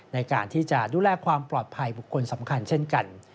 ในการที่จะดูแลความปลอดภัยบุคคลสำคัญเช่นกัน